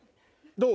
どう？